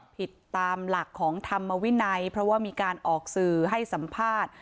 ผิดตามหลักของธรรมวินัยเพราะว่ามีการออกสื่อให้สัมภาษณ์